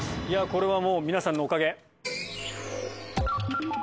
これはもう皆さんのおかげ。